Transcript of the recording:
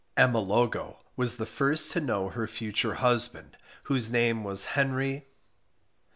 Emma Logo was the first to know her future husband, whose name was Henry